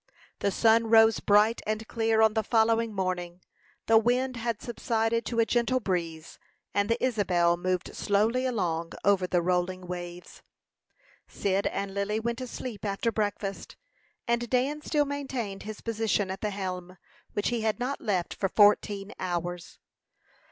The sun rose bright and clear on the following morning. The wind had subsided to a gentle breeze, and the Isabel moved slowly along over the rolling waves. Cyd and Lily went to sleep after breakfast, and Dan still maintained his position at the helm, which he had not left for fourteen hours.